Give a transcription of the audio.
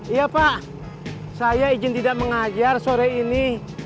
iya pak saya izin tidak mengajar sore ini